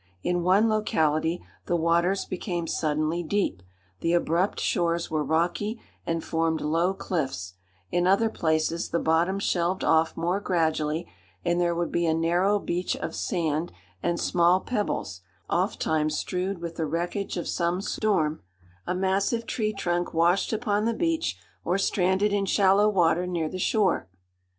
In one locality the waters became suddenly deep, the abrupt shores were rocky, and formed low cliffs; in other places the bottom shelved off more gradually, and there would be a narrow beach of sand and small pebbles, ofttimes strewed with the wreckage of some storm,—a massive tree trunk washed upon the beach, or stranded in shallow water near the shore.